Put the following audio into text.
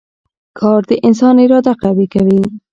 کار د انسان اراده قوي کوي